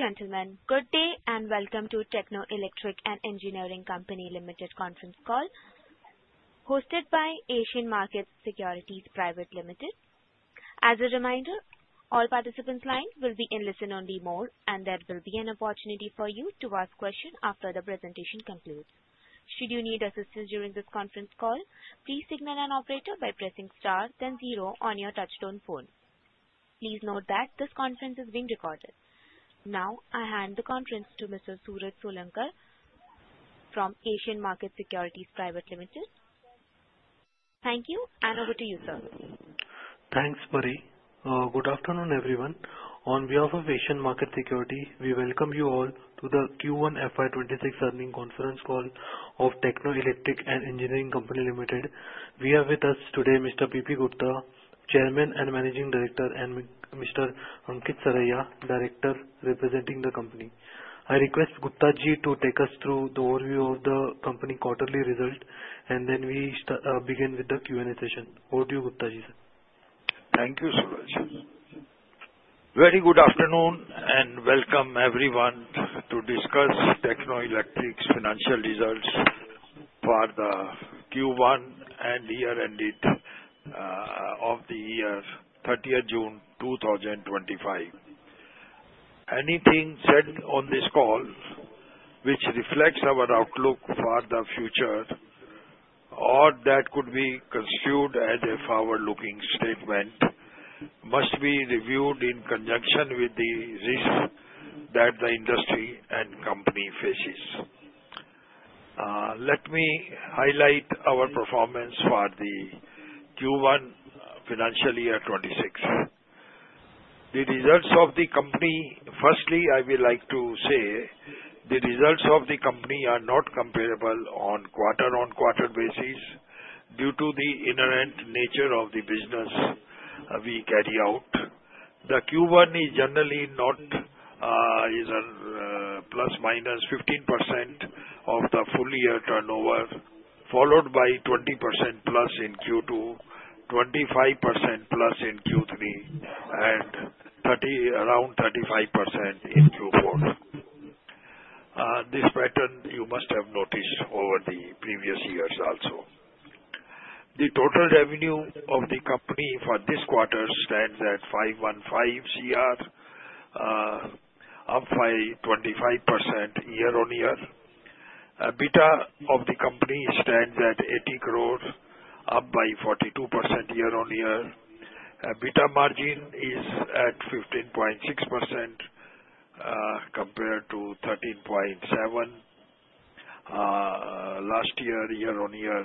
Ladies and gentlemen, good day and welcome to Techno Electric & Engineering Company Limited Conference Call, hosted by Asian Market Securities Pvt. Ltd. As a reminder, all participants' lines will be in listen-only mode, and there will be an opportunity for you to ask questions after the presentation concludes. Should you need assistance during this conference call, please signal an operator by pressing star, then zero on your touch-tone phone. Please note that this conference is being recorded. Now, I hand the conference to Mr. Suraj Sonulkar from Asian Market Securities Pvt. Ltd. Thank you, and over to you, sir. Thanks, Mari. Good afternoon, everyone. On behalf of Asian Market Securities, we welcome you all to the Q1 FY 2026 earnings conference call of Techno Electric & Engineering Company Limited. We have with us today Mr. P. P. Gupta, Chairman and Managing Director, and Mr. Ankit Saraiya, Director representing the company. I request Gupta ji to take us through the overview of the company quarterly results, and then we begin with the Q&A session. Over to you, Gupta ji, sir. Thank you so much. Very good afternoon and welcome everyone to discuss Techno Electric's financial results for the Q1 and year-end date of the year, 30th June 2025. Anything said on this call, which reflects our outlook for the future, or that could be construed as a forward-looking statement, must be reviewed in conjunction with the risks that the industry and company faces. Let me highlight our performance for the Q1 financial year 2026. The results of the company, firstly, I would like to say the results of the company are not comparable on quarter-on-quarter basis due to the inherent nature of the business we carry out. The Q1 is generally is a plus-minus 15% of the full-year turnover, followed by 20%+ in Q2, 25%+ in Q3, and around 35% in Q4. This pattern you must have noticed over the previous years also. The total revenue of the company for this quarter stands at 515 crore, up by 25% year-on-year. EBITDA of the company stands at 80 crore, up by 42% year-on-year. EBITDA margin is at 15.6% compared to 13.7% last year, year-on-year.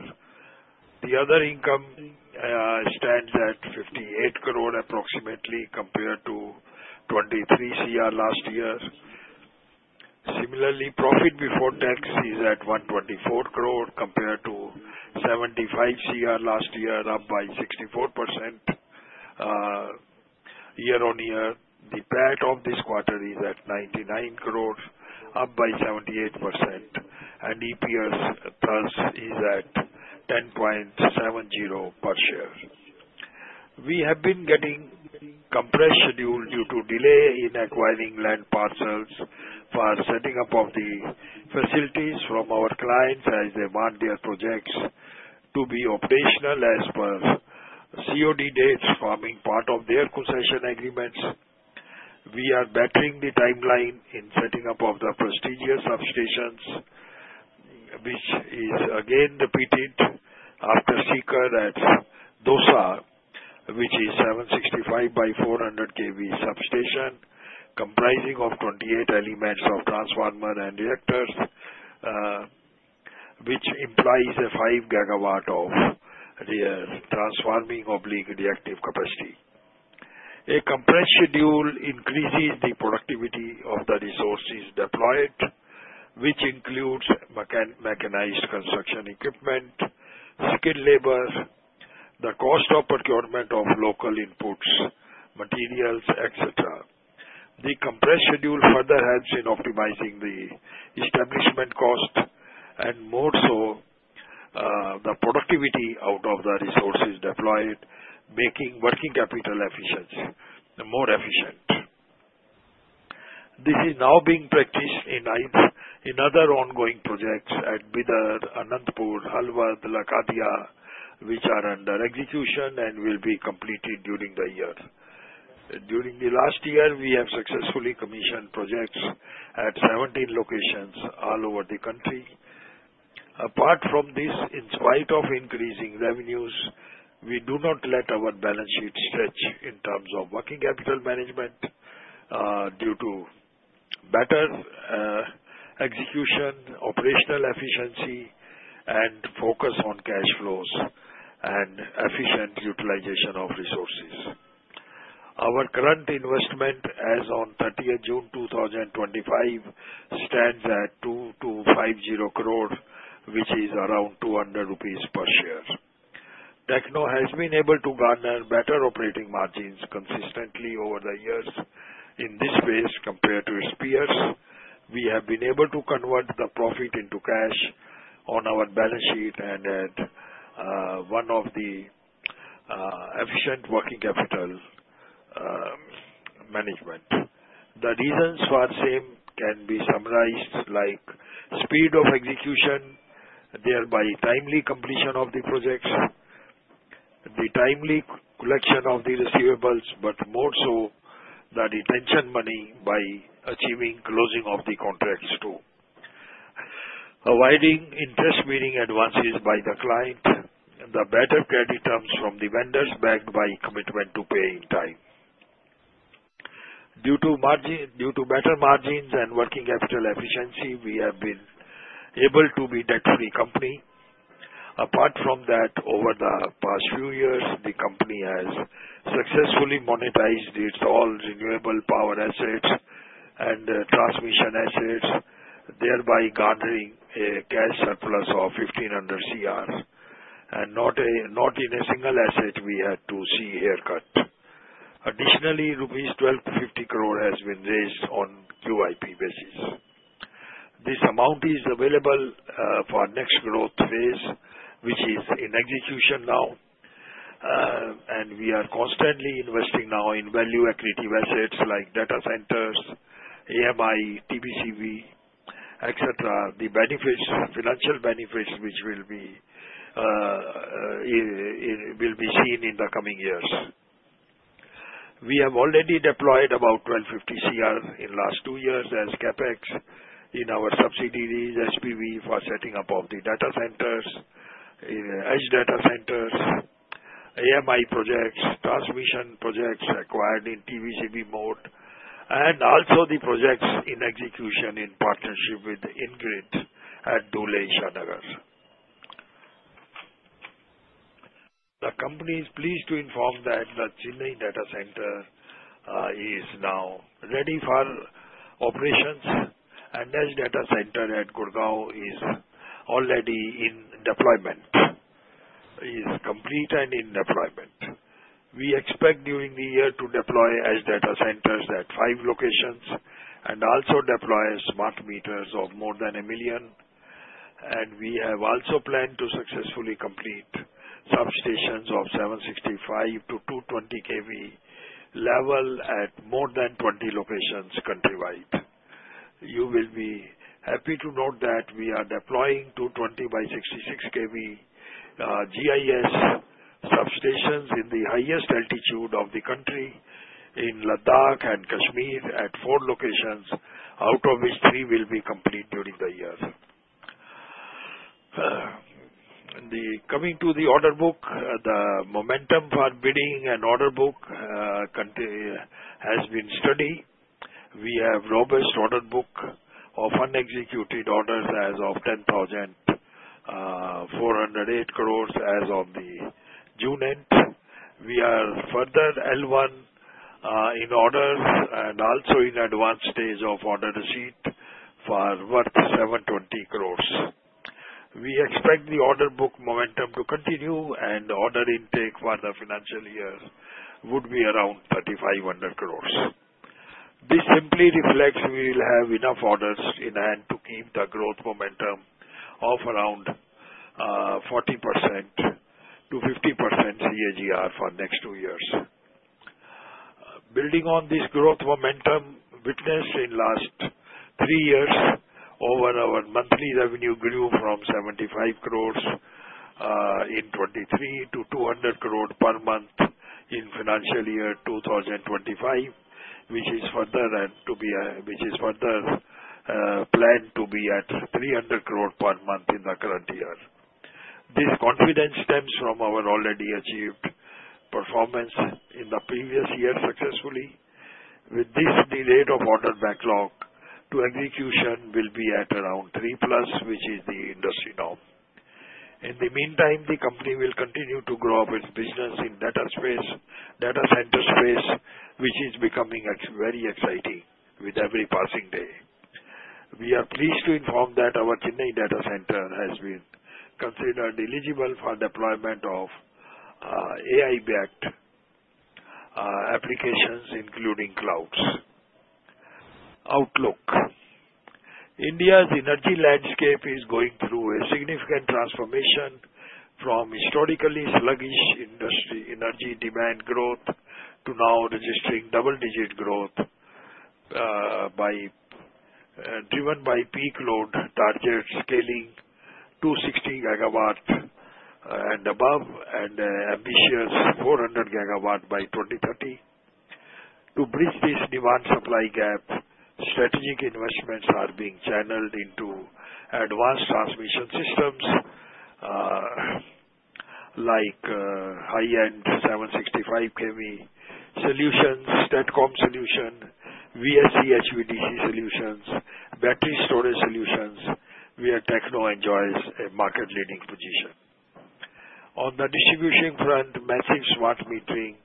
The other income stands at 58 crore approximately compared to 23 crore last year. Similarly, profit before tax is at 124 crore compared to 75 crore last year, up by 64% year-on-year. The PAT of this quarter is at 99 crore, up by 78%, and EPS is at 10.70 per share. We have been getting compressed schedule due to delay in acquiring land parcels for setting up of the facilities from our clients as they want their projects to be operational as per COD dates forming part of their concession agreements. We are bettering the timeline in setting up of the prestigious substations, which is again repeated after Sikar at Dausa, which is 765 by 400 kV substation comprising of 28 elements of transformer and reactors, which implies a 5 gigawatt of transforming oblique reactive capacity. A compressed schedule increases the productivity of the resources deployed, which includes mechanized construction equipment, skilled labor, the cost of procurement of local inputs, materials, etc. The compressed schedule further helps in optimizing the establishment cost and more so the productivity out of the resources deployed, making working capital efficient more efficient. This is now being practiced in other ongoing projects at Bidar, Anantapur, Halwad, Lakadia, which are under execution and will be completed during the year. During the last year, we have successfully commissioned projects at 17 locations all over the country. Apart from this, in spite of increasing revenues, we do not let our balance sheet stretch in terms of working capital management due to better execution, operational efficiency, and focus on cash flows and efficient utilization of resources. Our current investment as of 30th June 2025 stands at 2,250 crore, which is around 200 rupees per share. Techno has been able to garner better operating margins consistently over the years in this phase compared to its peers. We have been able to convert the profit into cash on our balance sheet and had one of the efficient working capital management. The reasons for same can be summarized like speed of execution, thereby timely completion of the projects, the timely collection of the receivables, but more so the retention money by achieving closing of the contracts too, avoiding interest-bearing advances by the client, the better credit terms from the vendors backed by commitment to pay in time. Due to better margins and working capital efficiency, we have been able to be a debt-free company. Apart from that, over the past few years, the company has successfully monetized its all renewable power assets and transmission assets, thereby garnering a cash surplus of 1,500 CR, and not in a single asset we had to see haircut. Additionally, rupees 1,250 crore has been raised on QIP basis. This amount is available for next growth phase, which is in execution now, and we are constantly investing now in value equity assets like data centers, AMI, TBCV, etc. The benefits, financial benefits, which will be seen in the coming years. We have already deployed about 1,250 crore in the last two years as CapEx in our subsidiaries, SPV for setting up of the data centers, edge data centers, AMI projects, transmission projects acquired in TBCV mode, and also the projects in execution in partnership with IndiGrid at Dhule, Anantapur. The company is pleased to inform that the Chennai data center is now ready for operations, and the edge data center at Gurgaon is already in deployment, is complete and in deployment. We expect during the year to deploy edge data centers at five locations and also deploy smart meters of more than a million, and we have also planned to successfully complete substations of 765 to 220 kV level at more than 20 locations countrywide. You will be happy to note that we are deploying 220 by 66 kV GIS substations in the highest altitude of the country in Ladakh and Kashmir at four locations, out of which three will be complete during the year. Coming to the order book, the momentum for bidding and order book has been steady. We have robust order book of unexecuted orders as of 10,408 crore as of June end. We are further L1 in orders and also in advanced stage of order receipt for worth 720 crore. We expect the order book momentum to continue, and order intake for the financial year would be around 3,500 crores. This simply reflects we will have enough orders in hand to keep the growth momentum of around 40%-50% CAGR for next two years. Building on this growth momentum witnessed in last three years over our monthly revenue grew from 75 crores in 2023 to 200 crore per month in financial year 2025, which is further planned to be at 300 crore per month in the current year. This confidence stems from our already achieved performance in the previous year successfully. With this delay of order backlog to execution, we'll be at around three plus, which is the industry norm. In the meantime, the company will continue to grow up its business in data space, data center space, which is becoming very exciting with every passing day. We are pleased to inform that our Chennai data center has been considered eligible for deployment of AI-backed applications, including clouds. Outlook: India's energy landscape is going through a significant transformation from historically sluggish energy demand growth to now registering double-digit growth driven by peak load target scaling 260 gigawatt and above and ambitious 400 gigawatt by 2030. To bridge this demand-supply gap, strategic investments are being channeled into advanced transmission systems like high-end 765 kV solutions, STATCOM solutions, VSC HVDC solutions, battery storage solutions, where Techno enjoys a market-leading position. On the distribution front, massive smart metering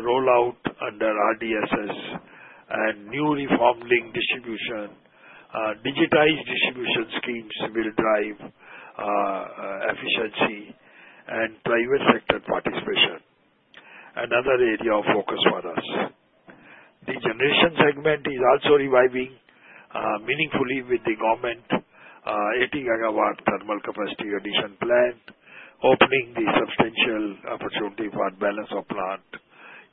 rollout under RDSS and new reformed link distribution, digitized distribution schemes will drive efficiency and private sector participation. Another area of focus for us. The generation segment is also reviving meaningfully with the government 80 gigawatt thermal capacity addition plan, opening the substantial opportunity for balance of plant,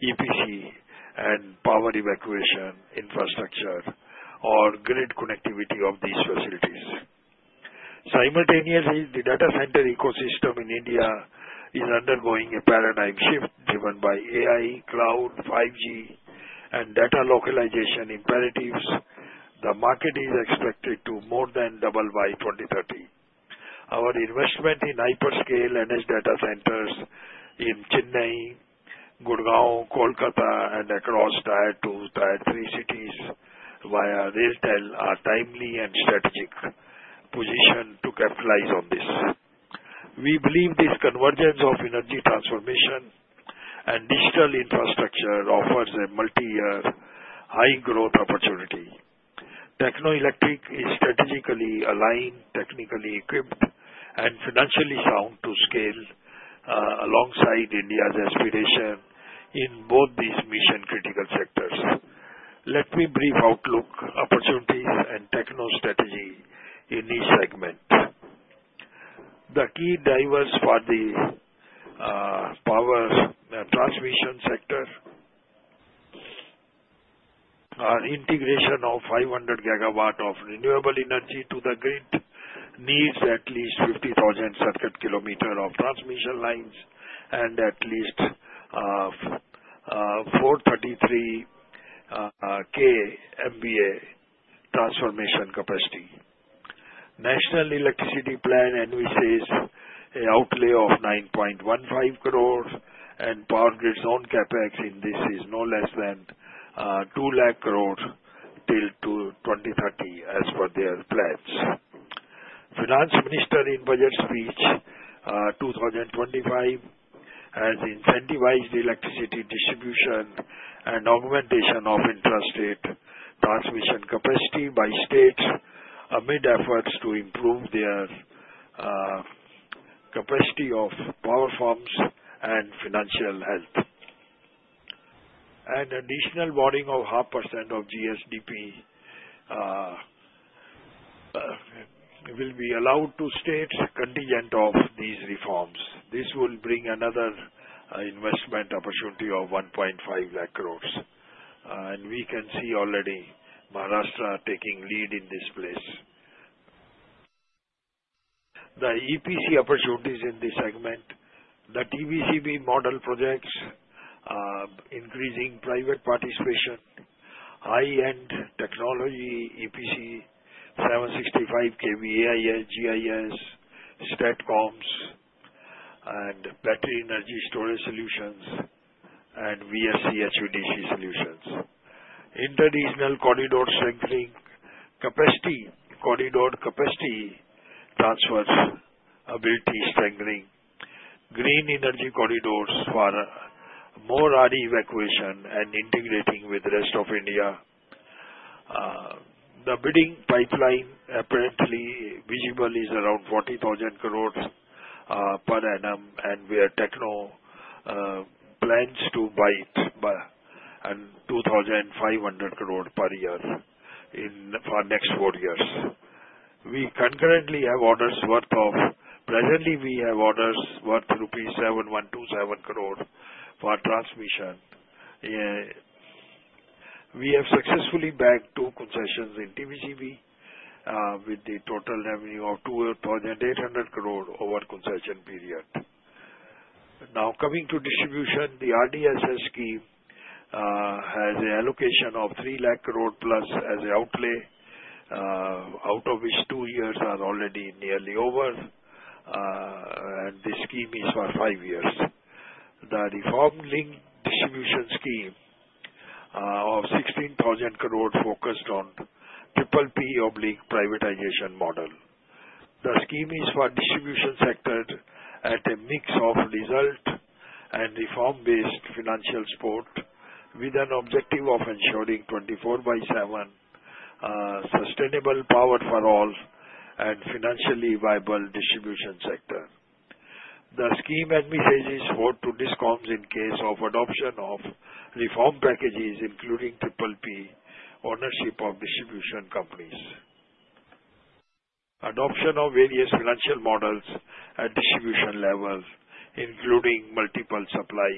EPC, and power evacuation infrastructure or grid connectivity of these facilities. Simultaneously, the data center ecosystem in India is undergoing a paradigm shift driven by AI, cloud, 5G, and data localization imperatives. The market is expected to more than double by 2030. Our investment in hyperscale and edge data centers in Chennai, Gurgaon, Kolkata, and across Tier 2, Tier 3 cities via RailTel are timely and strategic position to capitalize on this. We believe this convergence of energy transformation and digital infrastructure offers a multi-year high-growth opportunity. Techno Electric is strategically aligned, technically equipped, and financially sound to scale alongside India's aspiration in both these mission-critical sectors. Let me brief outlook, opportunities, and Techno strategy in each segment. The key drivers for the power transmission sector are integration of 500 gigawatt of renewable energy to the grid, needs at least 50,000 circuit kilometer of transmission lines, and at least 433 GVA transformation capacity. National Electricity Plan envisages an outlay of 9.15 crore, and Power Grid own CapEx in this is no less than 2 lakh crore till 2030 as per their plans. Finance Minister in Budget Speech 2025 has incentivized electricity distribution and augmentation of intra-state transmission capacity by states amid efforts to improve their capacity of power firms and financial health. An additional borrowing of 0.5% of GSDP will be allowed to states contingent on these reforms. This will bring another investment opportunity of 1.5 lakh crores, and we can see already Maharashtra taking the lead in this space. The EPC opportunities in this segment, the TBCV model projects, increasing private participation, high-end technology EPC 765 kV AIS, GIS, STATCOMs, and battery energy storage solutions, and VSC HVDC solutions. Interregional corridor strengthening, capacity transfer capability strengthening, green energy corridors for more RE evacuation and integrating with the rest of India. The bidding pipeline apparently visible is around 40,000 crore per annum, and we at Techno plan to bid by 2,500 crore per year for next four years. We have orders worth rupees 7,127 crore for transmission. We have successfully bagged two concessions in TBCV with the total revenue of 2,800 crore over concession period. Now coming to distribution, the RDSS scheme has an allocation of 3 lakh crore plus as an outlay, out of which two years are already nearly over, and the scheme is for five years. The Revamped Distribution Sector Scheme of 16,000 crore focused on PPP/privatization model. The scheme is for distribution sector at a mix of result and reform-based financial support with an objective of ensuring 24/7 sustainable power for all and financially viable distribution sector. The scheme advances debt to Discoms in case of adoption of reform packages including PPP ownership of distribution companies, adoption of various financial models at distribution level including multiple supply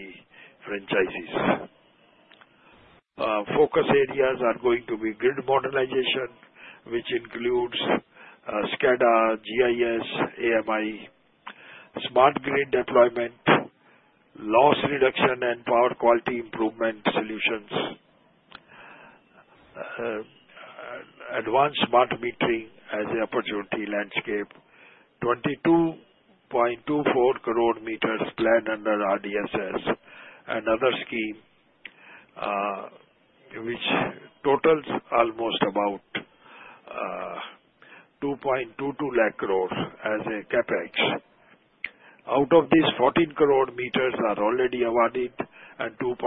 franchises. Focus areas are going to be grid modernization, which includes SCADA, GIS, AMI, smart grid deployment, loss reduction and power quality improvement solutions, advanced smart metering as an opportunity landscape, 22.24 crore meters planned under RDSS, another scheme which totals almost about 2.22 lakh crore as a CapEx. Out of these 14 crore meters are already awarded and 2.9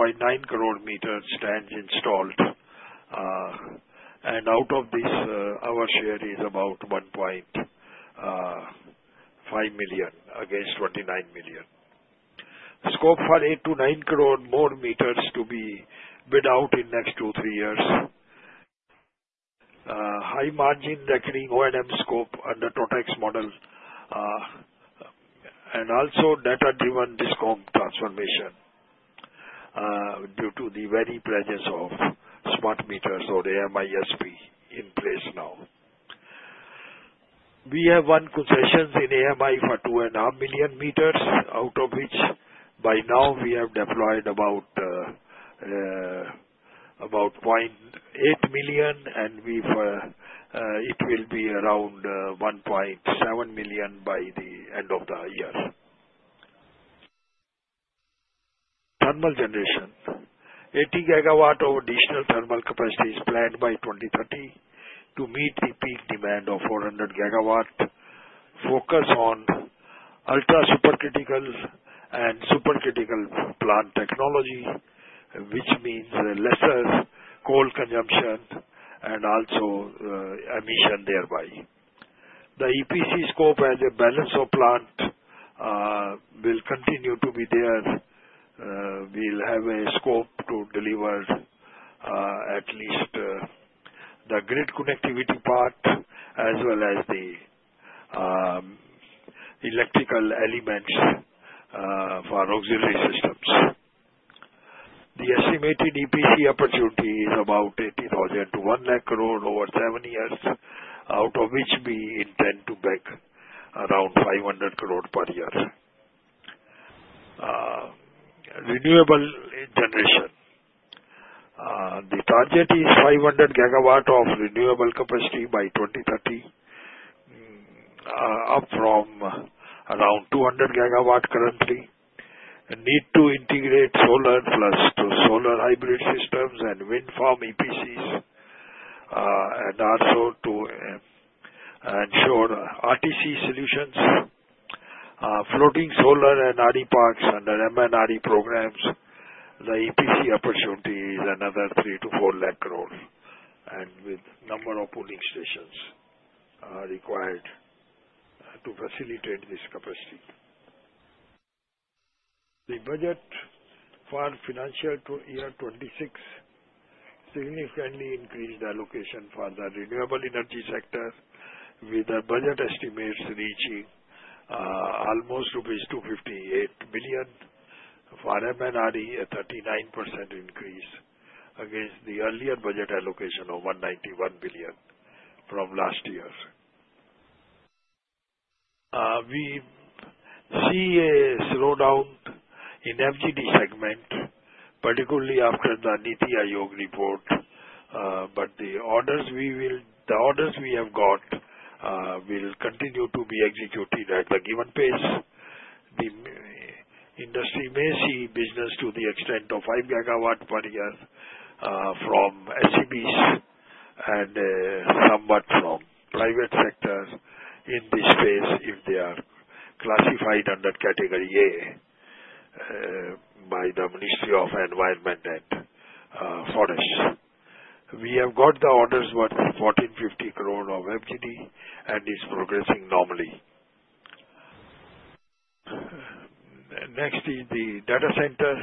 crore meters stands installed, and out of this our share is about 1.5 million against 29 million. Scope for 8 to 9 crore more meters to be bid out in next two to three years, high margin reckoning O&M scope under TOTEX model, and also data-driven discom transformation due to the very presence of smart meters or AMISP in place now. We have one concession in AMI for 2.5 million meters, out of which by now we have deployed about 0.8 million, and it will be around 1.7 million by the end of the year. Thermal generation: 80 gigawatt of additional thermal capacity is planned by 2030 to meet the peak demand of 400 gigawatt, focus on ultra-supercritical and supercritical plant technology, which means lesser coal consumption and also emission thereby. The EPC scope as a balance of plant will continue to be there. We'll have a scope to deliver at least the grid connectivity part as well as the electrical elements for auxiliary systems. The estimated EPC opportunity is about 80,000 to 1 lakh crore over seven years, out of which we intend to bid around 500 crore per year. Renewable generation: the target is 500 gigawatt of renewable capacity by 2030, up from around 200 gigawatt currently. Need to integrate solar-plus-storage hybrid systems and wind farm EPCs and also to ensure RTC solutions, floating solar and RE parks under MNRE programs. The EPC opportunity is another 3-4 lakh crore and the number of pooling stations required to facilitate this capacity. The budget for financial year 2026 significantly increased allocation for the renewable energy sector with the budget estimates reaching almost 258 million rupees for MNRE, a 39% increase against the earlier budget allocation of 191 million from last year. We see a slowdown in FGD segment, particularly after the NITI Aayog report, but the orders we have got will continue to be executed at the given pace. The industry may see business to the extent of 5 gigawatt per year from SEBs and somewhat from private sector in this space if they are classified under category A by the Ministry of Environment and Forests. We have got the orders worth 1,450 crore of FGD and it's progressing normally. Next is the data center.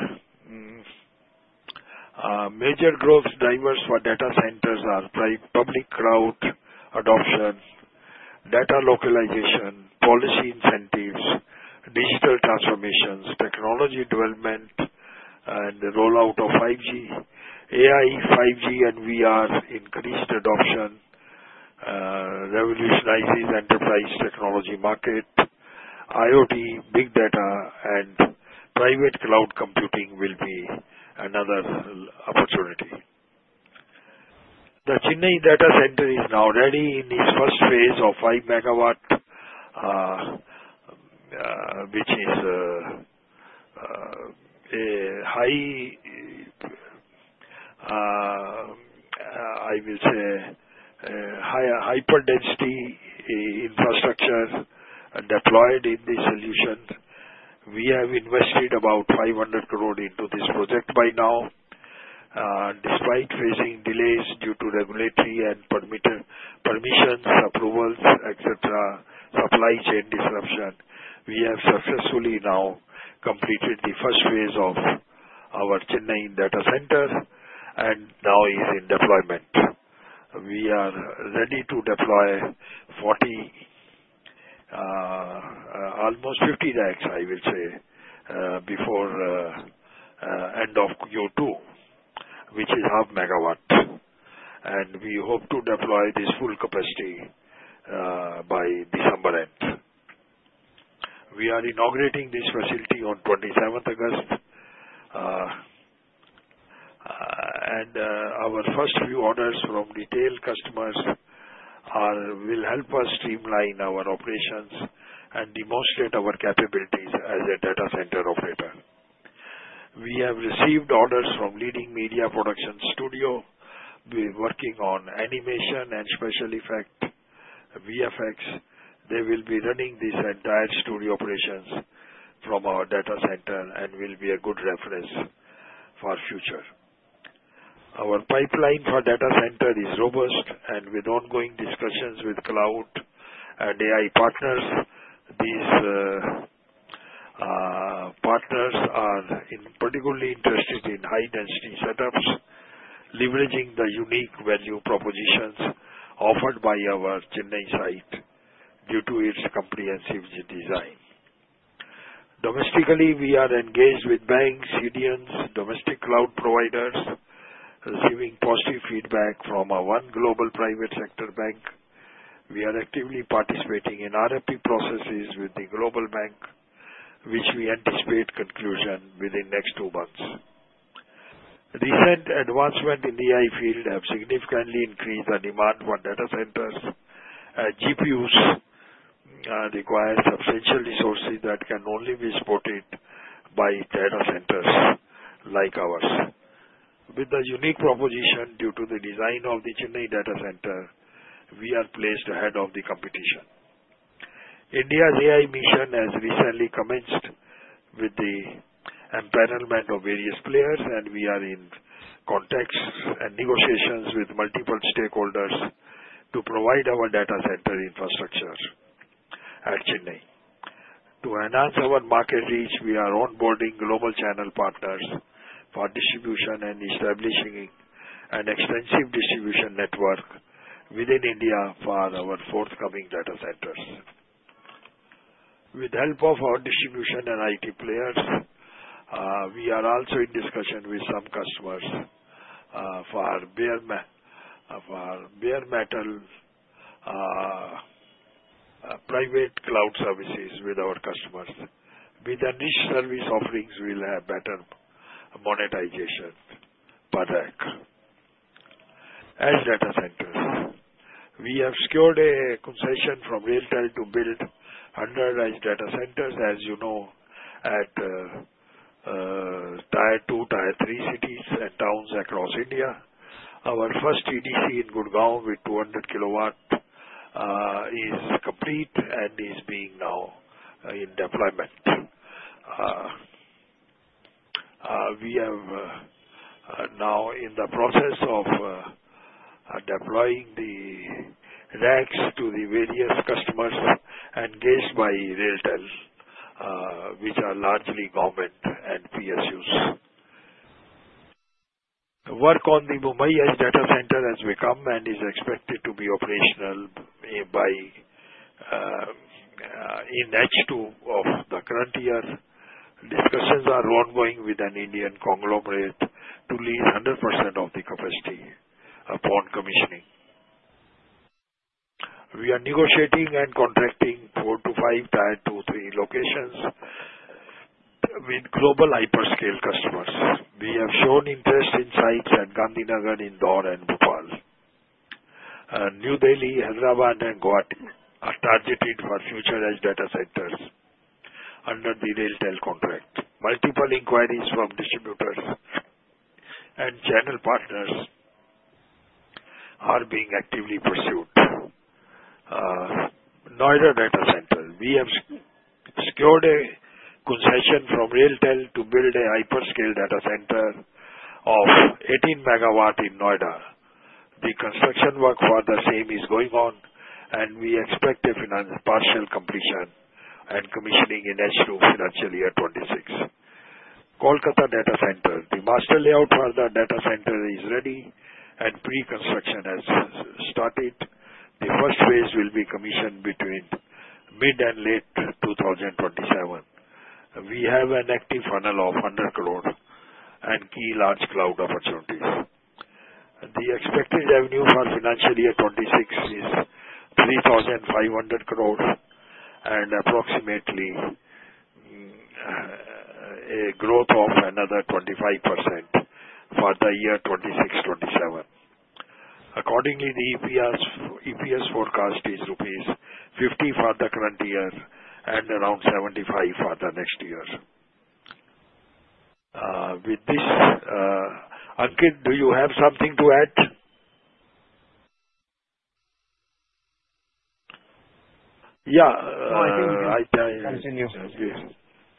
Major growth drivers for data centers are public cloud adoption, data localization, policy incentives, digital transformations, technology development, and the rollout of 5G, AI, 5G, and VR. Increased adoption revolutionizes enterprise technology market. IoT, big data, and private cloud computing will be another opportunity. The Chennai data center is now ready in its first phase of 5 megawatt, which is a high, I will say, hyperdensity infrastructure deployed in this solution. We have invested about 500 crore into this project by now. Despite facing delays due to regulatory and permissions, approvals, etc., supply chain disruption, we have successfully now completed the first phase of our Chennai data center and now it's in deployment. We are ready to deploy almost 50 racks, I will say, before end of year two, which is half megawatt, and we hope to deploy this full capacity by December end. We are inaugurating this facility on 27th August, and our first few orders from retail customers will help us streamline our operations and demonstrate our capabilities as a data center operator. We have received orders from leading media production studio. We're working on animation and special effects, VFX. They will be running these entire studio operations from our data center and will be a good reference for future. Our pipeline for data center is robust, and with ongoing discussions with cloud and AI partners, these partners are particularly interested in high-density setups, leveraging the unique value propositions offered by our Chennai site due to its comprehensive design. Domestically, we are engaged with banks, unions, domestic cloud providers, receiving positive feedback from one global private sector bank. We are actively participating in RFP processes with the global bank, which we anticipate conclusion within next two months. Recent advancements in the AI field have significantly increased the demand for data centers. GPUs require substantial resources that can only be supported by data centers like ours. With the unique proposition due to the design of the Chennai data center, we are placed ahead of the competition. India's AI mission has recently commenced with the involvement of various players, and we are in contact and negotiations with multiple stakeholders to provide our data center infrastructure at Chennai. To enhance our market reach, we are onboarding global channel partners for distribution and establishing an extensive distribution network within India for our forthcoming data centers. With the help of our distribution and IT players, we are also in discussion with some customers for bare metal private cloud services with our customers. With the niche service offerings, we'll have better monetization per acre. Edge data centers. We have secured a concession from RailTel to build a number of edge data centers, as you know, at tier two, tier three cities and towns across India. Our first EDC in Gurgaon with 200 kilowatt is complete and is now in deployment. We are now in the process of deploying the racks to the various customers engaged by RailTel, which are largely government and PSUs. Work on the Mumbai edge data center has begun and is expected to be operational in Q2 of the current year. Discussions are ongoing with an Indian conglomerate to lease 100% of the capacity upon commissioning. We are negotiating and contracting four to five tier two, three locations with global hyperscale customers. We have shown interest in sites at Gandhinagar, Indore, and Bhopal. New Delhi, Hyderabad, and Guwahati are targeted for future edge data centers under the RailTel contract. Multiple inquiries from distributors and channel partners are being actively pursued. Noida data center. We have secured a concession from RailTel to build a hyperscale data center of 18 megawatts in Noida. The construction work for the same is going on, and we expect a partial completion and commissioning at the end of financial year 2026. Kolkata data center. The master layout for the data center is ready, and pre-construction has started. The first phase will be commissioned between mid and late 2027. We have an active funnel of 100 crore and key large cloud opportunities. The expected revenue for financial year 2026 is 3,500 crore and approximately a growth of another 25% for the year 2026-2027. Accordingly, the EPS forecast is rupees 50 for the current year and around 75 for the next year. With this, Ankit, do you have something to add? Yeah. No, I think we can continue.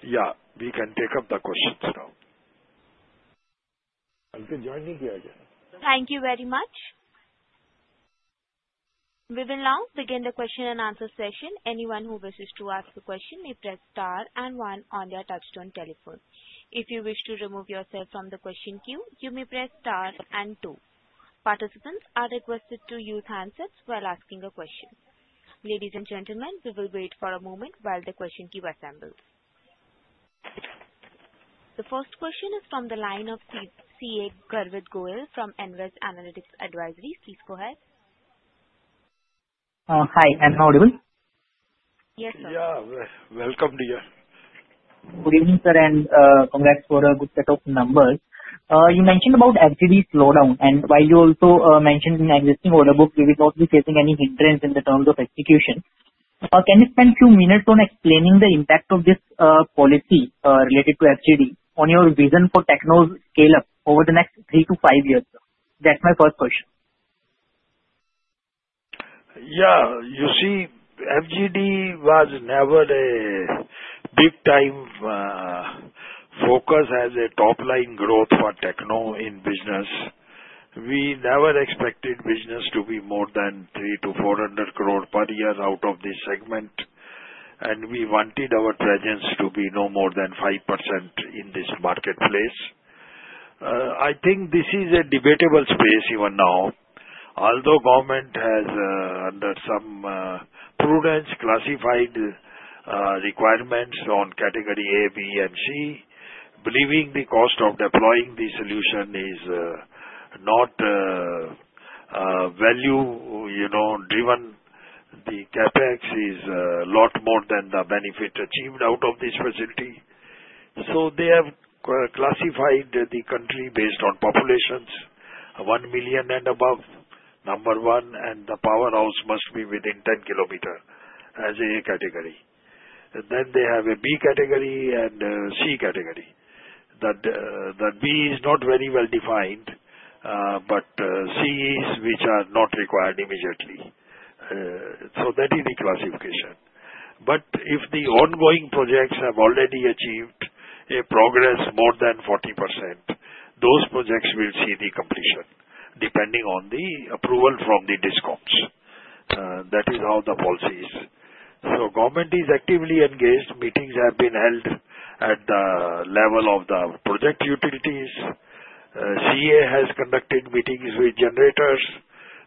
Yeah, we can take up the questions now. Ankit, join me here again. Thank you very much. We will now begin the question and answer session. Anyone who wishes to ask a question may press star and one on their touch-tone telephone. If you wish to remove yourself from the question queue, you may press star and two. Participants are requested to use handsets while asking a question. Ladies and gentlemen, we will wait for a moment while the question queue assembles. The first question is from the line of CA Garvit Goyal from Nvest Analytics Advisory. Please go ahead. Hi, I'm audible? Yes, sir. Yeah, welcome, dear. Good evening, sir, and congrats for a good set of numbers. You mentioned about FGD slowdown, and while you also mentioned in existing order book, we will not be facing any hindrance in the terms of execution. Can you spend a few minutes on explaining the impact of this policy related to FGD on your vision for techno scale-up over the next three to five years? That's my first question. Yeah, you see, FGD was never a big-time focus as a top-line growth for Techno in business. We never expected business to be more than 3 to 400 crore per year out of this segment, and we wanted our presence to be no more than 5% in this marketplace. I think this is a debatable space even now. Although government has, under some prudence, classified requirements on category A, B, and C, believing the cost of deploying the solution is not value-driven, the CapEx is a lot more than the benefit achieved out of this facility. So they have classified the country based on populations, one million and above, number one, and the powerhouse must be within 10 kilometers as a category. Then they have a B category and C category. The B is not very well defined, but C is which are not required immediately. So that is the classification. But if the ongoing projects have already achieved a progress more than 40%, those projects will see the completion depending on the approval from the Discoms. That is how the policy is. So government is actively engaged. Meetings have been held at the level of the project utilities. CEA has conducted meetings with generators.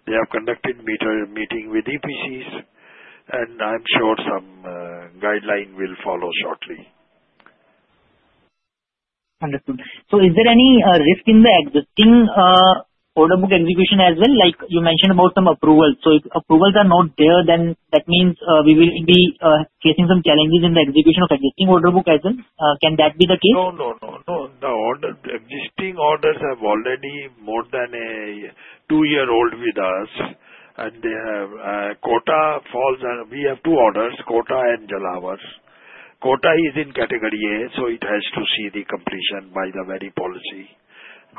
They have conducted meetings with EPCs, and I'm sure some guideline will follow shortly. Understood. So is there any risk in the existing order book execution as well? Like you mentioned about some approvals. So if approvals are not there, then that means we will be facing some challenges in the execution of existing order book as well. Can that be the case? No, no, no, no. The existing orders have already more than a two-year-old with us, and they have Kota falls. We have two orders, Kota and Jhalawar. Kota is in category A, so it has to see the completion by the very policy.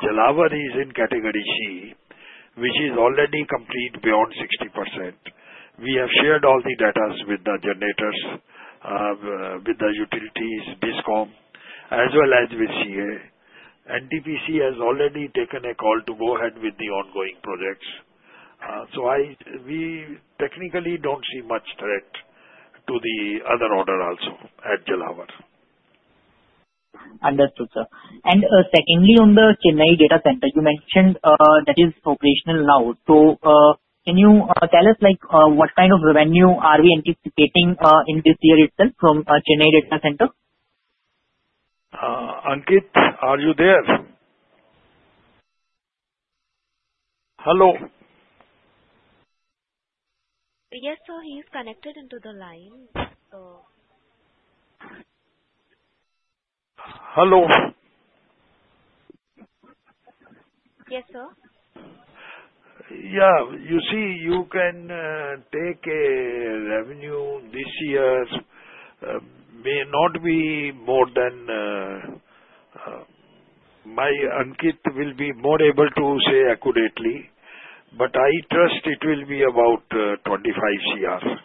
Jhalawar is in category C, which is already complete beyond 60%. We have shared all the data with the generators, with the utilities, Discom, as well as with CEA. NTPC has already taken a call to go ahead with the ongoing projects. So we technically don't see much threat to the other order also at Jhalawar. Understood, sir. And secondly, on the Chennai data center, you mentioned that is operational now. So can you tell us what kind of revenue are we anticipating in this year itself from Chennai data center? Ankit, are you there? Hello? Yes, sir. He's connected into the line. Hello. Yes, sir. Yeah, you see, you can take a revenue this year may not be more than my Ankit will be more able to say accurately, but I trust it will be about 25 crore.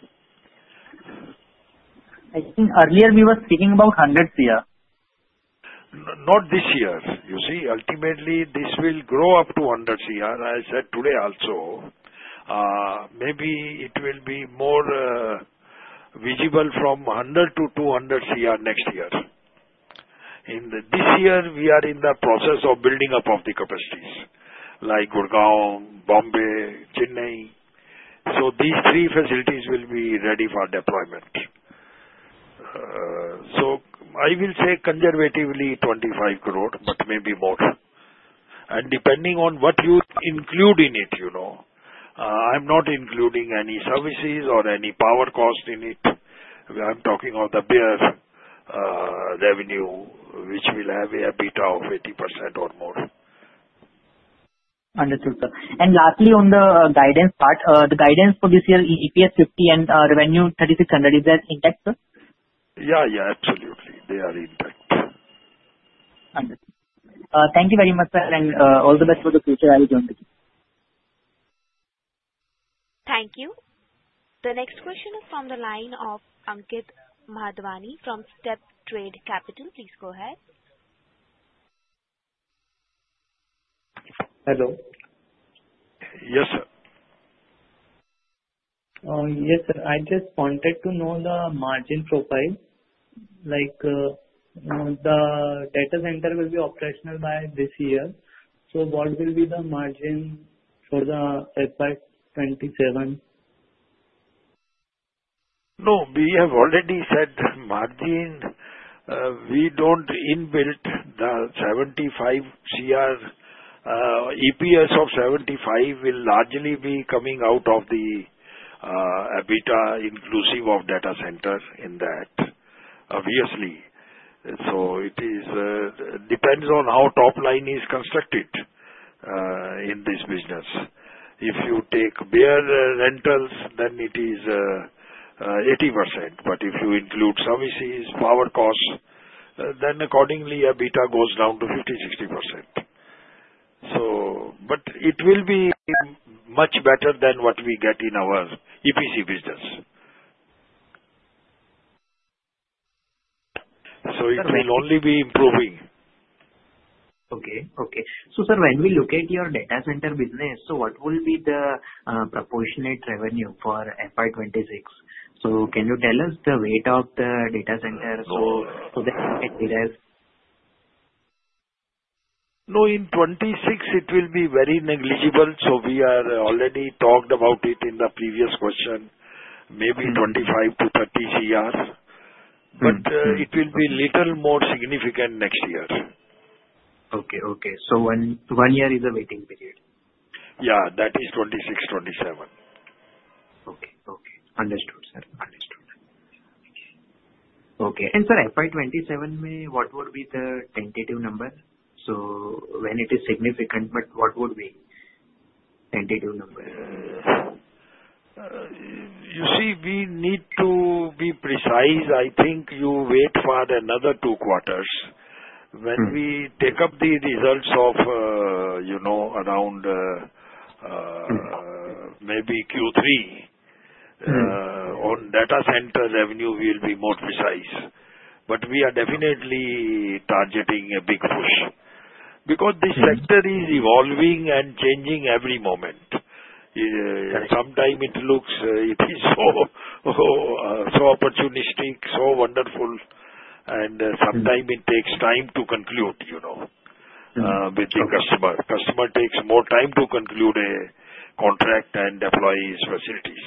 I think earlier we were speaking about 100 crore. Not this year. You see, ultimately this will grow up to 100 crore. I said today also. Maybe it will be more visible from 100 to 200 crore next year. This year we are in the process of building up of the capacities like Gurgaon, Mumbai, Chennai. So these three facilities will be ready for deployment. So I will say conservatively 25 crore, but maybe more. And depending on what you include in it, I'm not including any services or any power cost in it. I'm talking of the bare revenue, which will have a EBITDA of 80% or more. Understood, sir. And lastly, on the guidance part, the guidance for this year, EPS 50 and revenue 3,600, is that intact, sir? Yeah, yeah, absolutely. They are intact. Understood. Thank you very much, sir, and all the best for the future. I'll join the team. Thank you. The next question is from the line of Aniket Madhwani from StepTrade Capital. Please go ahead. Hello. Yes, sir. Yes, sir. I just wanted to know the margin profile. The data center will be operational by this year. So what will be the margi n for the FY 2027? No, we have already said margin. We don't inbuild the 75 crore. EPS of 75 will largely be coming out of the EBITDA inclusive of data center in that, obviously. So it depends on how top line is constructed in this business. If you take bare rentals, then it is 80%. But if you include services, power costs, then accordingly an EBITDA goes down to 50%-60%. But it will be much better than what we get in our EPC business. So it will only be improving. Okay, okay. So sir, when we look at your data center business, so what will be the proportionate revenue for FY 2026? So can you tell us the weight of the data center so that we can see that? No, in 2026 it will be very negligible. So we have already talked about it in the previous question, maybe 25-30 crore But it will be little more significant next year. Okay, okay. So one year is the waiting period. Yeah, that is 2026-2027. Okay, okay. Understood, sir. Understood. Okay. And sir, FY 2027, what would be the tentative number? So when it is significant, but what would be the tentative number? You see, we need to be precise. I think you wait for another two quarters. When we take up the results of around maybe Q3, on data center revenue will be more precise. But we are definitely targeting a big push because this sector is evolving and changing every moment. Sometimes it looks so opportunistic, so wonderful, and sometimes it takes time to conclude with the customer. Customer takes more time to conclude a contract and deploy his facilities.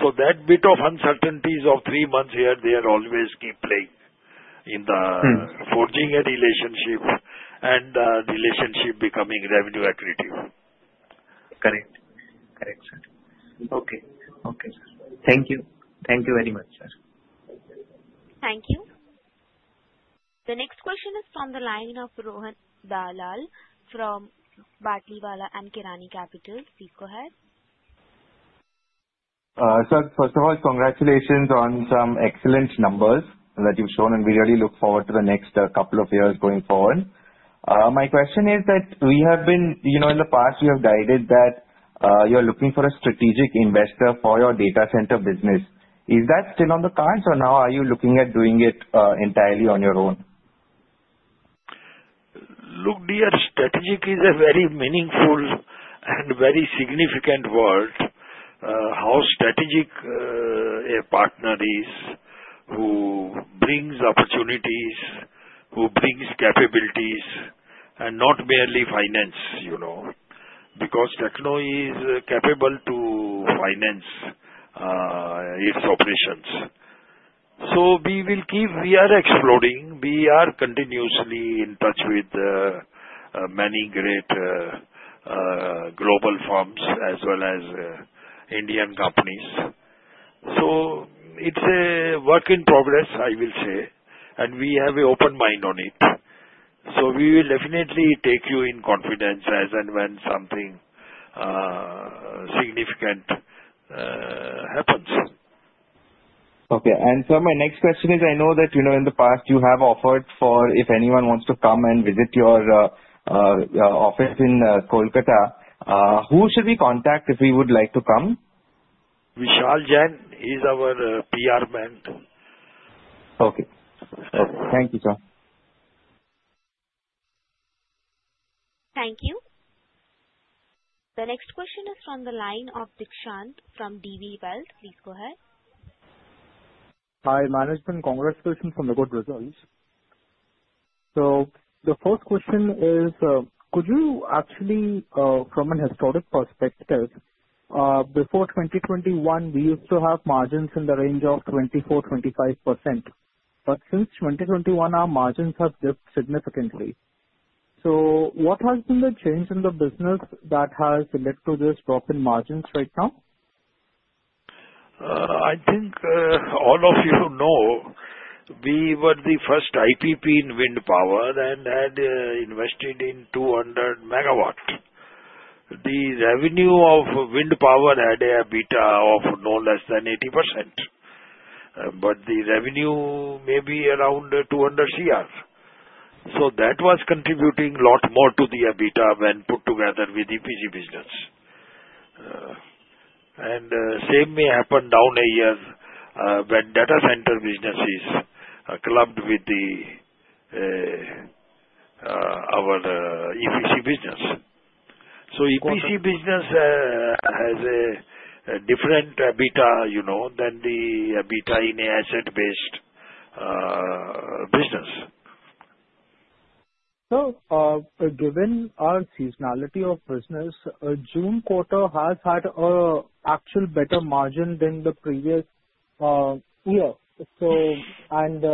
So that bit of uncertainties of three months here, they are always keep playing in the forging a relationship and the relationship becoming revenue accurate. Correct. Correct, sir. Okay, okay. Thank you. Thank you very much, sir. Thank you. The next question is from the line of Rohan Dalal from Batlivala & Karani Securities India Pvt. Ltd. Please go ahead. Sir, first of all, congratulations on some excellent numbers that you've shown, and we really look forward to the next couple of years going forward. My question is that we have been in the past, we have guided that you are looking for a strategic investor for your data center business. Is that still on the cards, or now are you looking at doing it entirely on your own? Look, dear, strategic is a very meaningful and very significant word. How strategic a partner is who brings opportunities, who brings capabilities, and not merely finance. Because Techno is capable to finance its operations. So we will keep, we are exploring. We are continuously in touch with many great global firms as well as Indian companies. So it's a work in progress, I will say, and we have an open mind on it. So we will definitely take you in confidence as and when something significant happens. Okay. And sir, my next question is, I know that in the past you have offered for if anyone wants to come and visit your office in Kolkata, who should we contact if we would like to come? Vishal Jain is our PR man. Okay. Thank you, sir. Thank you. The next question is from the line of Dikshant from DB Wealth. Please go ahead. Hi, Dikshant from DB Wealth. Congrats on the good results. So the first question is, could you actually, from a historic perspective, before 2021, we used to have margins in the range of 24%-25%. But since 2021, our margins have dipped significantly. So what has been the change in the business that has led to this drop in margins right now? I think all of you know we were the first IPP in wind power and had invested in 200 megawatts. The revenue of wind power had an EBITDA of no less than 80%. But the revenue maybe around 200 crore. So that was contributing a lot more to the EBITDA when put together with EPC business. And same may happen in a year when data center businesses clubbed with our EPC business. So EPC business has a different EBITDA than the EBITDA in an asset-based business. Sir, given our seasonality of business, June quarter has had an actually better margin than the previous year. And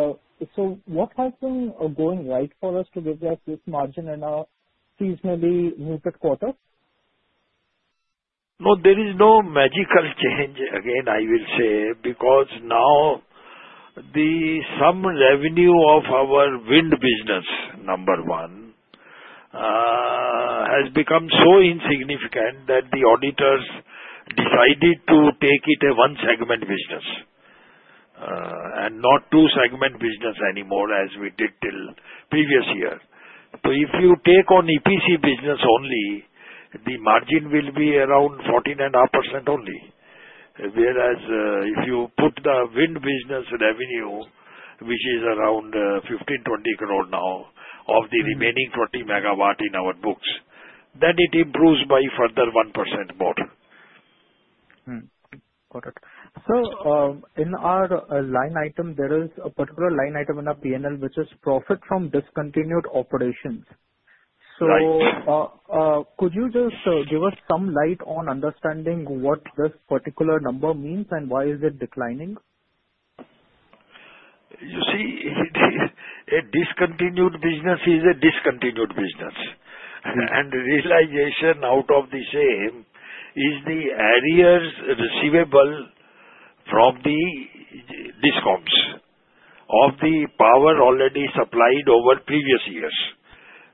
so what has been going right for us to give us this margin in a seasonally muted quarter? No, there is no magical change, again I will say, because now the sum revenue of our wind business, number one, has become so insignificant that the auditors decided to take it a one-segment business and not two-segment business anymore as we did till previous year. So if you take on EPC business only, the margin will be around 14.5% only. Whereas if you put the wind business revenue, which is around 15-20 crore now of the remaining 20 megawatt in our books, then it improves by further 1% more. Got it. Sir, in our line item, there is a particular line item in our P&L, which is profit from discontinued operations. So could you just give us some light on understanding what this particular number means and why is it declining? You see, a discontinued business is a discontinued business. The realization out of the same is the arrears receivable from the Discoms of the power already supplied over previous years.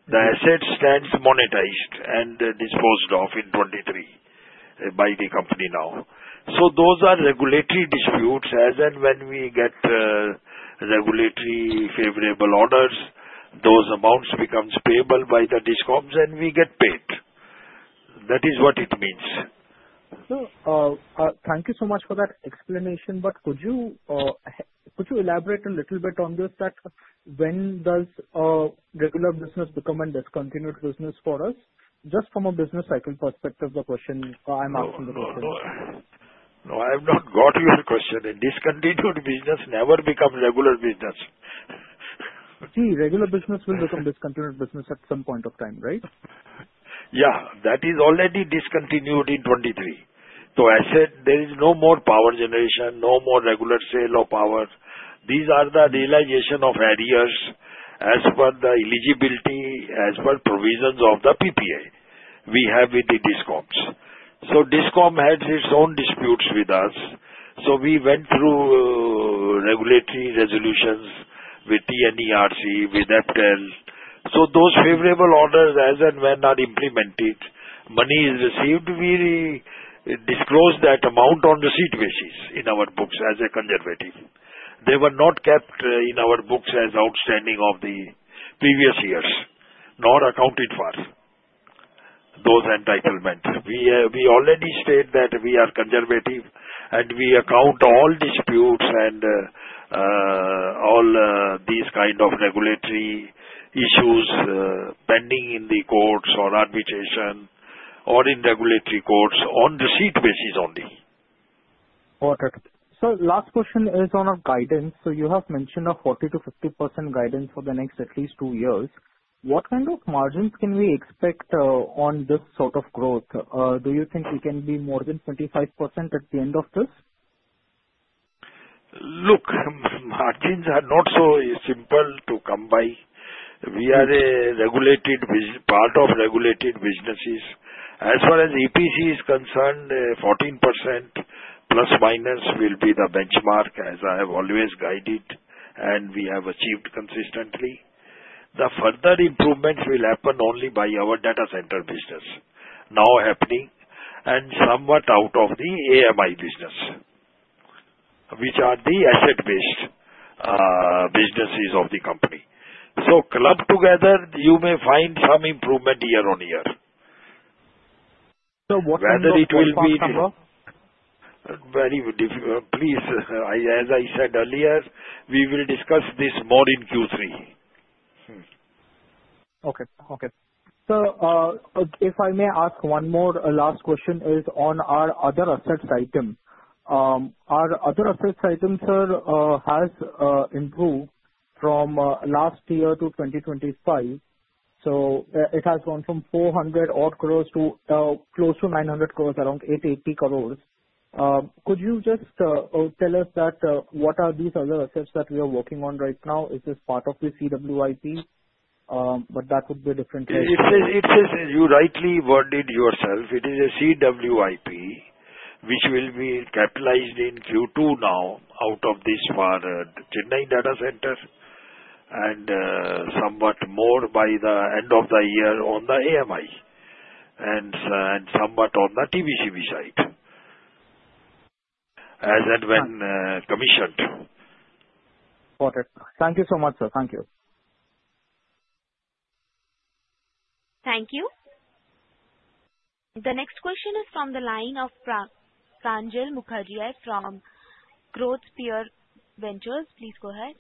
The asset stands monetized and disposed of in 2023 by the company now, so those are regulatory disputes as and when we get regulatory favorable orders, those amounts become payable by the Discoms and we get paid. That is what it means. Sir, thank you so much for that explanation, but could you elaborate a little bit on this that when does regular business become a discontinued business for us? Just from a business cycle perspective, I'm asking the question. No, I have not got your question. A discontinued business never becomes regular business. See, regular business will become discontinued business at some point of time, right? Yeah, that is already discontinued in 2023. So I said there is no more power generation, no more regular sale of power. These are the realization of arrears as per the eligibility, as per provisions of the PPA we have with the Discoms. So Discom has its own disputes with us. So we went through regulatory resolutions with TNERC, with APTEL. So those favorable orders as and when are implemented, money is received, we disclose that amount on receipt basis in our books as a conservative. They were not kept in our books as outstanding of the previous years, not accounted for those entitlements. We already stated that we are conservative and we account all disputes and all these kind of regulatory issues pending in the courts or arbitration or in regulatory courts on receipt basis only. Got it. Sir, last question is on our guidance. So you have mentioned a 40%-50% guidance for the next at least two years. What kind of margins can we expect on this sort of growth? Do you think we can be more than 25% at the end of this? Look, margins are not so simple to come by. We are a part of regulated businesses. As far as EPC is concerned, 14%± will be the benchmark as I have always guided and we have achieved consistently. The further improvements will happen only by our data center business now happening and somewhat out of the AMI business, which are the asset-based businesses of the company. So clubbed together, you may find some improvement year-on-year. Whether it will be very difficult, please. As I said earlier, we will discuss this more in Q3. Okay, okay. Sir, if I may ask one more last question, is on our other assets item. Our other assets item, sir, has improved from last year to 2025. So it has gone from 400-odd crore to close to 900 crore, around 880 crore. Could you just tell us that what are these other assets that we are working on right now? Is this part of the CWIP? But that would be a different question. You rightly worded yourself. It is a CWIP, which will be capitalized in Q2 now out of this for Chennai data center and somewhat more by the end of the year on the AMI and somewhat on the TBCB side as and when commissioned. Got it. Thank you so much, sir. Thank you. Thank you. The next question is from the line of Pranjal Mukherjee from GrowthSphere Ventures. Please go ahead.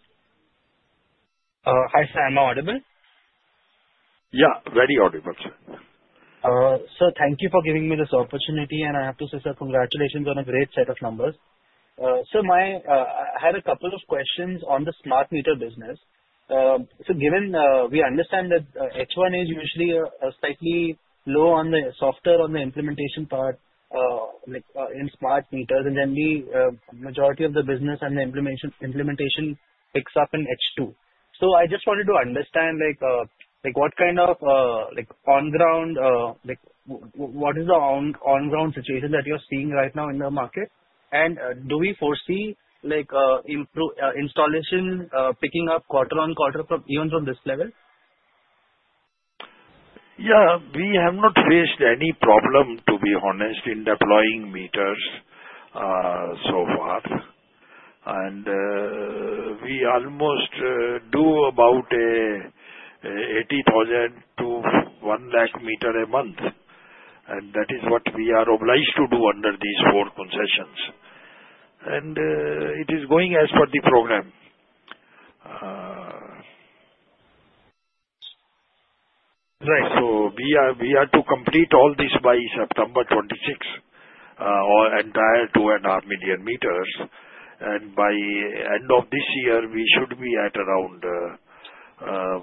Hi, sir. Am I audible? Yeah, very audible, sir. Sir, thank you for giving me this opportunity, and I have to say, sir, congratulations on a great set of numbers. Sir, I had a couple of questions on the smart meter business, so given we understand that H1 is usually slightly low on the software on the implementation part in smart meters, and then the majority of the business and the implementation picks up in H2, so I just wanted to understand what kind of on-ground, what is the on-ground situation that you're seeing right now in the market? and do we foresee installation picking up quarter-on-quarter even from this level? Yeah, we have not faced any problem, to be honest, in deploying meters so far, and we almost do about 80,000-1,000,000 meters a month, and that is what we are obliged to do under these four concessions. It is going as per the program. Right. So we are to complete all this by September 26, for entire 2.5 million meters. By end of this year, we should be at around 1.7-1.8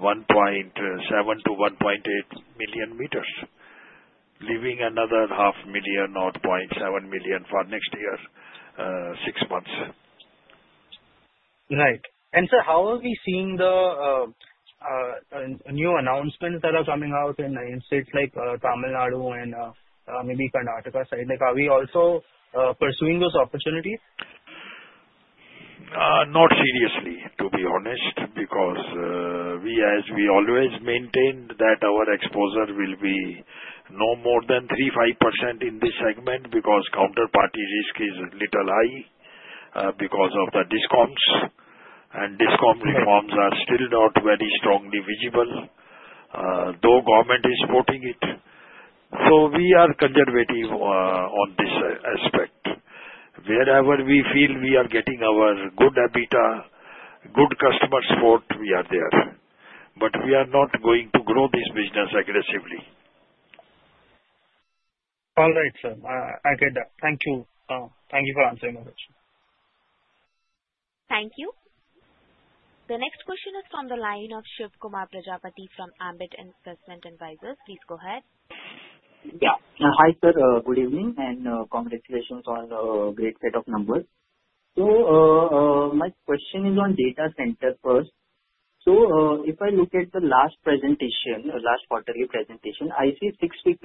million meters, leaving another 0.5 million or 0.7 million for next year, six months. Right. Sir, how are we seeing the new announcements that are coming out in states like Tamil Nadu and maybe Karnataka side? Are we also pursuing those opportunities? Not seriously, to be honest, because we always maintained that our exposure will be no more than 3%-5% in this segment because counterparty risk is a little high because of the Discoms. Discom reforms are still not very strongly visible, though government is supporting it. We are conservative on this aspect. Wherever we feel we are getting our good EBITDA, good customer support, we are there. But we are not going to grow this business aggressively. All right, sir. I get that. Thank you. Thank you for answering my question. Thank you. The next question is from the line of Shivkumar Prajapati from Ambit Investment Advisors. Please go ahead. Yeah. Hi, sir. Good evening and congratulations on a great set of numbers. So my question is on data center first. So if I look at the last presentation, last quarterly presentation, I see 650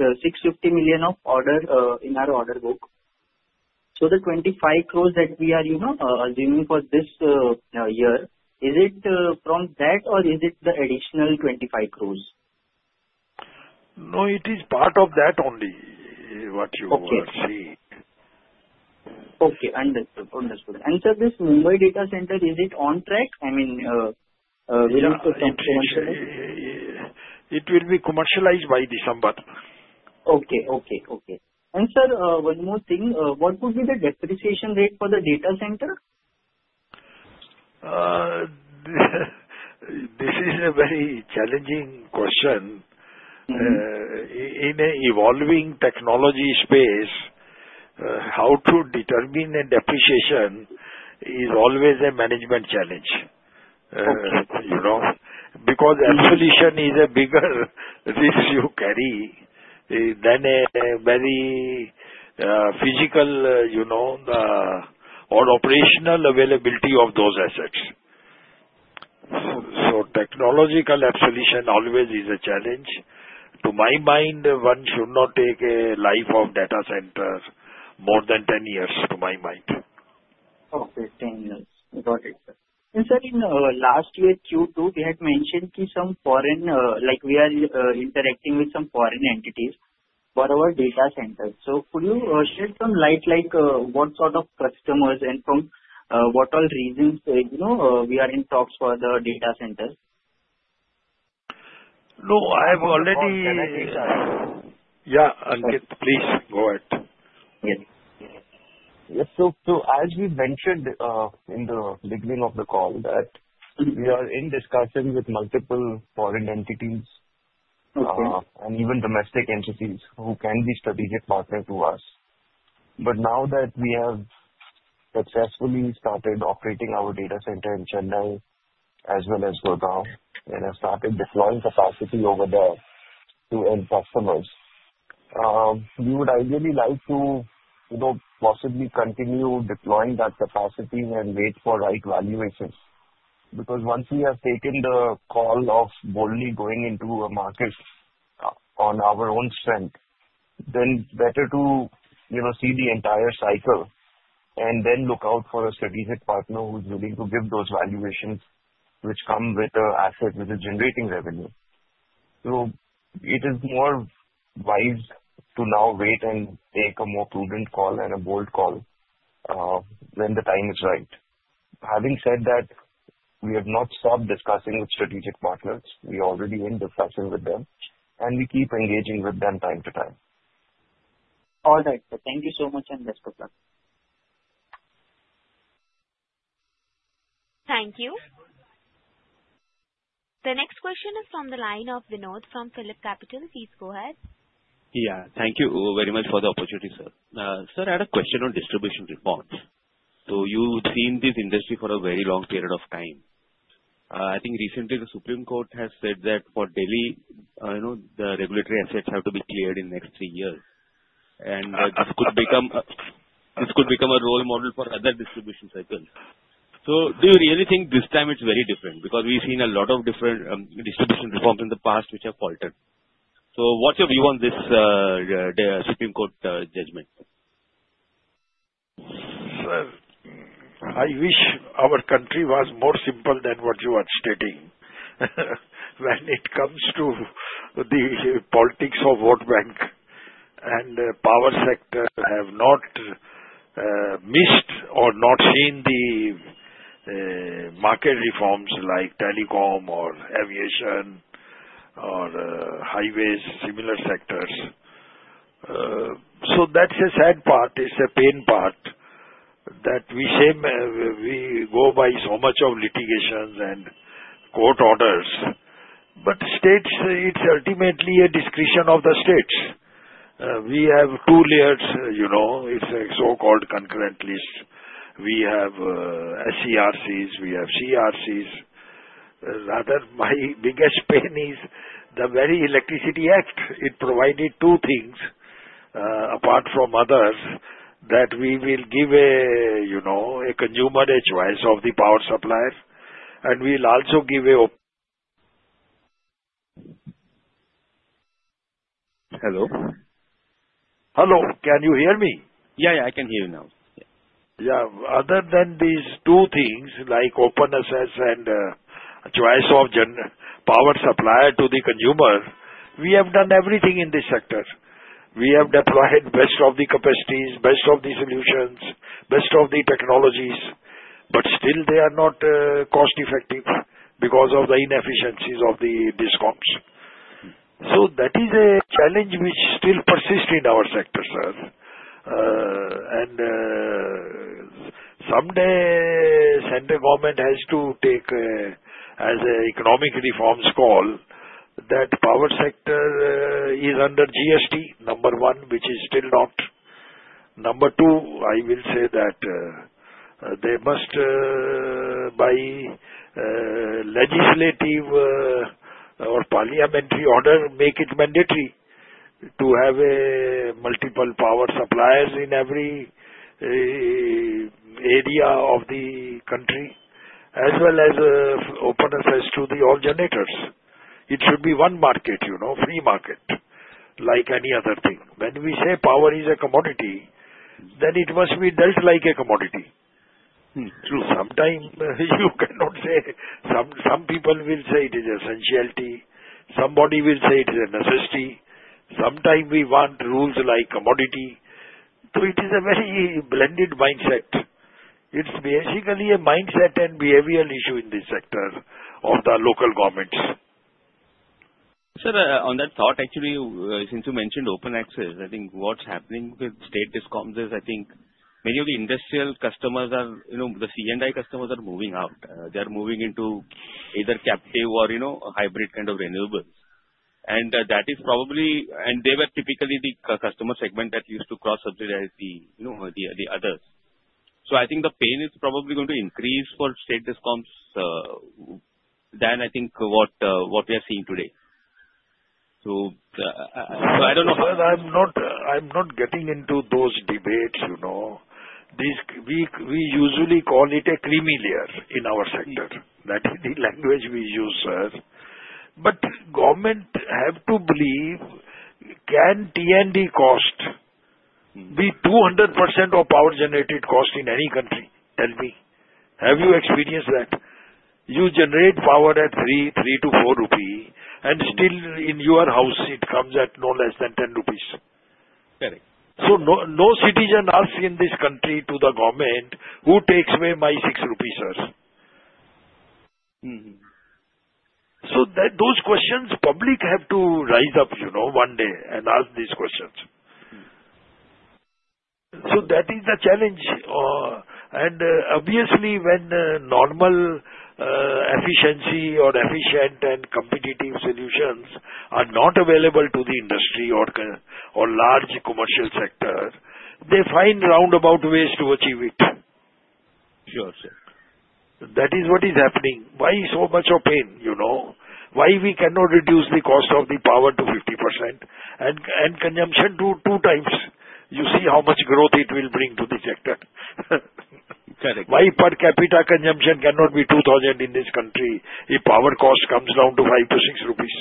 million of order in our order book. So the 25 crores that we are assuming for this year, is it from that or is it the additional 25 crores? No, it is part of that only, what you see. Okay. Understood. Understood. And sir, this Mumbai data center, is it on track? I mean, will it be commercialized? It will be commercialized by December. Okay. Okay. Okay. And sir, one more thing. What would be the depreciation rate for the data center? This is a very challenging question. In an evolving technology space, how to determine a depreciation is always a management challenge. Because obsolescence is a bigger risk you carry than a very physical or operational availability of those assets. So technological obsolescence always is a challenge. To my mind, one should not take a life of data center more than 10 years, to my mind. Okay. 10 years. Got it, sir. And sir, in last year, Q2, we had mentioned some foreign, like we are interacting with some foreign entities for our data center. So could you shed some light like what sort of customers and from what all reasons we are in talks for the data center? No, I have already yeah, please go ahead. Yes. So as we mentioned in the beginning of the call that we are in discussion with multiple foreign entities and even domestic entities who can be strategic partners to us. But now that we have successfully started operating our data center in Chennai as well as Gurgaon and have started deploying capacity over there to end customers, we would ideally like to possibly continue deploying that capacity and wait for right valuations. Because once we have taken the call of boldly going into a market on our own strength, then better to see the entire cycle and then look out for a strategic partner who's willing to give those valuations which come with assets with a generating revenue. So it is more wise to now wait and take a more prudent call and a bold call when the time is right. Having said that, we have not stopped discussing with strategic partners. We are already in discussion with them, and we keep engaging with them from time to time. All right. Thank you so much and best of luck. Thank you. The next question is from the line of Vinod from PhillipCapital. Please go ahead. Yeah. Thank you very much for the opportunity, sir. Sir, I had a question on distribution reforms. So you've seen this industry for a very long period of time. I think recently the Supreme Court has said that for Delhi, the regulatory assets have to be cleared in the next three years. And this could become a role model for other distribution circles. So do you really think this time it's very different? Because we've seen a lot of different distribution reforms in the past which have faltered. So what's your view on this Supreme Court judgment? Sir, I wish our country was more simple than what you are stating. When it comes to the politics of World Bank and power sector, have not missed or not seen the market reforms like telecom or aviation or highways, similar sectors. So that's a sad part. It's a pain part that we go by so much of litigations and court orders. But states, it's ultimately a discretion of the states. We have two layers. It's a so-called concurrent list. We have SERCs, we have CERCs. Rather, my biggest pain is the very Electricity Act. It provided two things apart from others that we will give a consumer a choice of the power suppliers, and we'll also give a hello? Hello. Can you hear me? Yeah, yeah. I can hear you now. Yeah. Other than these two things, like Open Access and choice of power supplier to the consumer, we have done everything in this sector. We have deployed best of the capacities, best of the solutions, best of the technologies, but still they are not cost-effective because of the inefficiencies of the Discoms. So that is a challenge which still persists in our sector, sir. Central government has to take an economic reforms call that power sector is under GST, number one, which is still not. Number two, I will say that they must, by legislative or parliamentary order, make it mandatory to have multiple power suppliers in every area of the country, as well as Open Access to all generators. It should be one market, free market, like any other thing. When we say power is a commodity, then it must be dealt like a commodity. True. Sometimes you cannot say some people will say it is essentially. Somebody will say it is a necessity. Sometimes we want rules like commodity. So it is a very blended mindset. It's basically a mindset and behavioral issue in this sector of the local governments. Sir, on that thought, actually, since you mentioned open access, I think what's happening with state Discoms is I think many of the industrial customers are the C&I customers are moving out. They are moving into either captive or hybrid kind of renewables. And that is probably, and they were typically the customer segment that used to cross-subsidize the others. So I think the pain is probably going to increase for state Discoms than I think what we are seeing today. So I don't know. Sir, I'm not getting into those debates. We usually call it a creamy layer in our sector. That is the language we use, sir. But government have to believe, can T&D cost be 200% of power generated cost in any country? Tell me. Have you experienced that? You generate power at 3-4 rupees, and still in your house, it comes at no less than 10 rupees. Correct. So no citizen asks in this country to the government, "Who takes away my 6 rupees, sir?" So those questions public have to rise up one day and ask these questions. So that is the challenge. And obviously, when normal efficiency or efficient and competitive solutions are not available to the industry or large commercial sector, they find roundabout ways to achieve it. Sure, sir. That is what is happening. Why so much of pain? Why we cannot reduce the cost of the power to 50% and consumption to two times? You see how much growth it will bring to the sector. Correct. Why per capita consumption cannot be 2,000 in this country if power cost comes down to 5-6 rupees?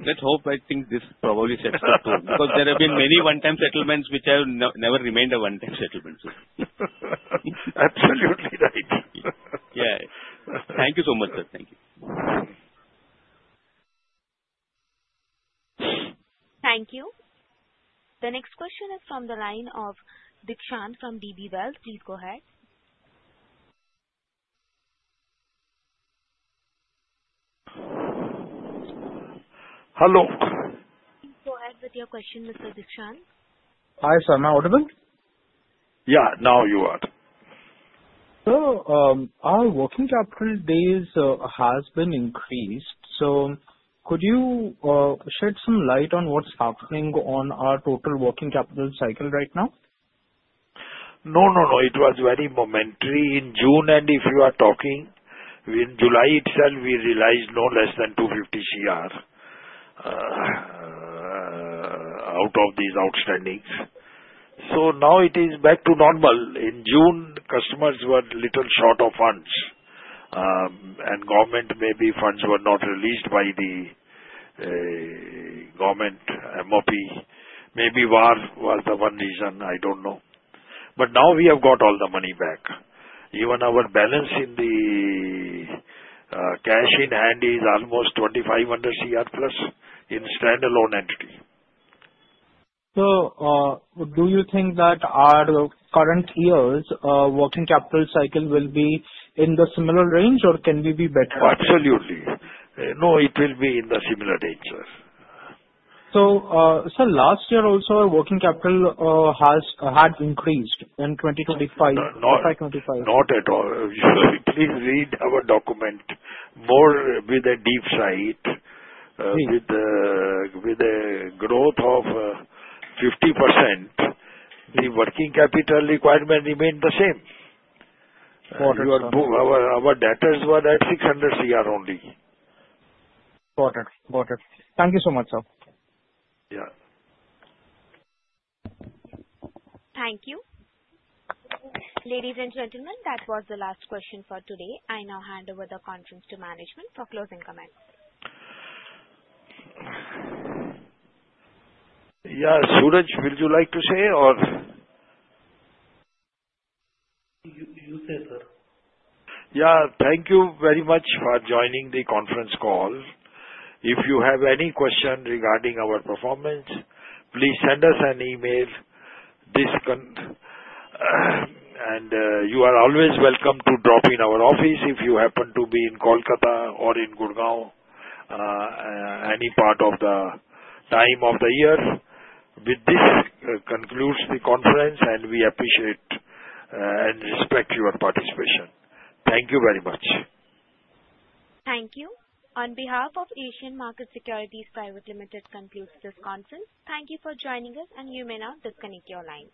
Let's hope I think this probably sets the tone. Because there have been many one-time settlements which have never remained a one-time settlement. Absolutely right. Yeah. Thank you so much, sir. Thank you. Thank you. The next question is from the line of Dikshant from DB Wealth. Please go ahead. Hello. Please go ahead with your question, Mr. Dikshant. Hi, sir. Am I audible? Yeah, now you are. Sir, our working capital days has been increased. So could you shed some light on what's happening on our total working capital cycle right now? No, no, no. It was very momentary in June. And if you are talking, in July itself, we realized no less than 250 crore out of these outstandings. So now it is back to normal. In June, customers were a little short of funds. And government maybe funds were not released by the government MOP. Maybe VAR was the one reason. I don't know. But now we have got all the money back. Even our balance in the cash in hand is almost 2,500 crore plus in standalone entity. So do you think that our current year's working capital cycle will be in the similar range, or can we be better? Absolutely. No, it will be in the similar range, sir. So, sir, last year also working capital had increased in 2025. Not at all. Please read our document more with a deep dive with a growth of 50%. The working capital requirement remained the same. Our data was at 600 crore only. Got it. Got it. Thank you so much, sir. Yeah. Thank you. Ladies and gentlemen, that was the last question for today. I now hand over the conference to management for closing comments. Yeah, Suraj, would you like to say, or? You say, sir. Yeah, thank you very much for joining the conference call. If you have any question regarding our performance, please send us an email, and you are always welcome to drop in our office if you happen to be in Kolkata or in Gurgaon any part of the time of the year. With this, concludes the conference, and we appreciate and respect your participation. Thank you very much. Thank you. On behalf of Asian Market Securities Pvt. Ltd., concludes this conference. Thank you for joining us, and you may now disconnect your line.